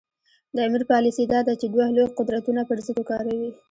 د امیر پالیسي دا ده چې دوه لوی قدرتونه پر ضد وکاروي.